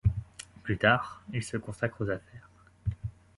Plus tard, il se consacre aux affaires.